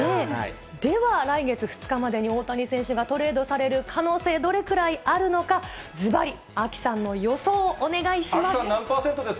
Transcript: では来月２日までに大谷選手がトレードされる可能性、どれくらいあるのか、ずばり、アキさんアキさん、何パーセントです